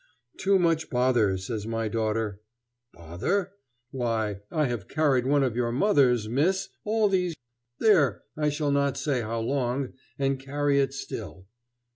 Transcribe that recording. Too much bother, says my daughter. Bother? Why, I have carried one of your mother's, miss! all these there, I shall not say how long and carry it still.